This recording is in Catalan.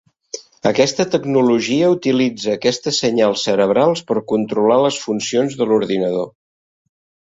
Aquesta tecnologia utilitza aquestes senyals cerebrals per controlar les funcions de l'ordinador.